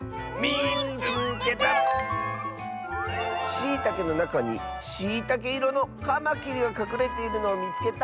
「しいたけのなかにしいたけいろのカマキリがかくれているのをみつけた！」。